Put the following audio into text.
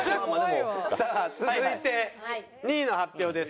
さあ続いて２位の発表です。